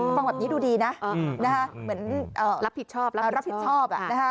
ฟังแบบนี้ดูดีนะรับผิดชอบ